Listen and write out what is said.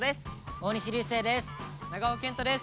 大西流星です。